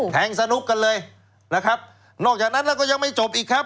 สนุกกันเลยนะครับนอกจากนั้นแล้วก็ยังไม่จบอีกครับ